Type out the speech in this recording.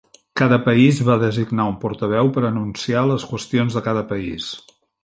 Cada país va designar un portaveu per anunciar les qüestions de cada país.